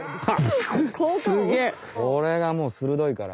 これがもうするどいから。